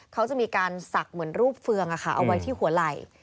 เขาจะมีการศักดิ์เหมือนรูปเฟืองเอาไว้ที่หัวไหล่